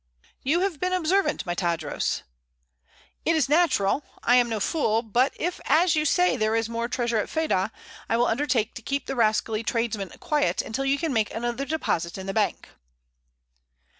"You have been observant, my Tadros." "It is natural. I am no fool. But if, as you say, there is more treasure at Fedah, I will undertake to keep the rascally tradesmen quiet until you can make another deposit in the bank."